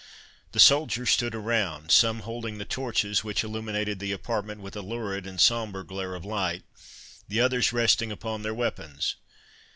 The soldiers stood around, some holding the torches, which illuminated the apartment with a lurid and sombre glare of light, the others resting upon their weapons.